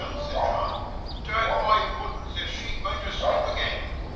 said John. 'Dang my bootuns if she bean't asleep agean!